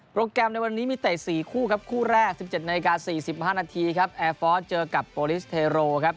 แกรมในวันนี้มีเตะ๔คู่ครับคู่แรก๑๗นาฬิกา๔๕นาทีครับแอร์ฟอร์สเจอกับโปรลิสเทโรครับ